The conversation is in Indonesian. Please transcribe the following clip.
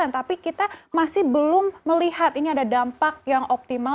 tapi kita masih belum melihat ini ada dampak yang optimal